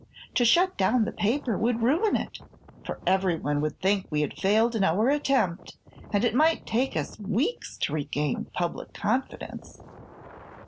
To shut down the paper would ruin it, for everyone would think we had failed in our attempt and it might take us weeks to regain public confidence."